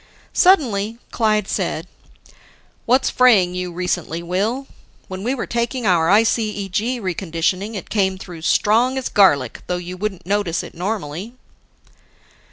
Suddenly, Clyde said, "What's fraying you recently, Will? When we were taking our ICEG reconditioning, it came through strong as garlic, though you wouldn't notice it normally."